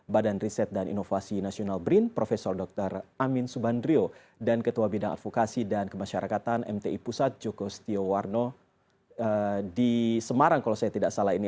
badan riset dan inovasi nasional brin prof dr amin subandrio dan ketua bidang advokasi dan kemasyarakatan mti pusat joko setiowarno di semarang kalau saya tidak salah ini